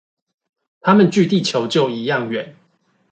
它們距地球就一樣遠